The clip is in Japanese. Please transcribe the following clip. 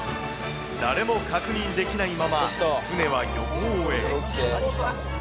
誰も確認できないまま、船は漁港へ。